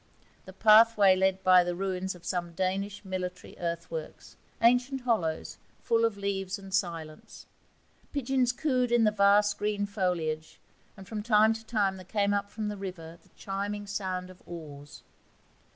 The pathway led by the ruins of some Danish military earthworks, ancient hollows full of leaves and silence. Pigeons cooed in the vast green foliage, and from time to time there came up from the river the chiming sound of oars.